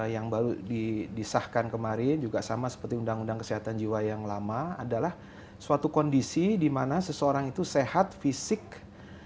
yang baru disahkan kemarin juga sama seperti undang undang kesehatan jiwa yang lama adalah suatu kondisi di mana seseorang itu sehat fisik